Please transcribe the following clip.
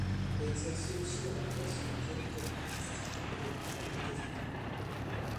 Il a exercé aussi dans la presse comme directeur artistique et relookeur de magazine.